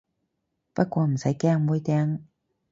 不過唔使驚，妹釘